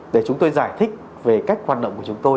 để chúng tôi giải thích về cách hoạt động của chúng tôi